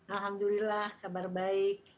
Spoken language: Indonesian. alhamdulillah kabar baik